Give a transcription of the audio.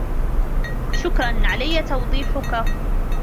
شكراً علي توضيحك.